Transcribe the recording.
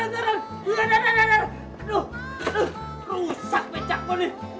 aduh aduh rusak pecak gue nih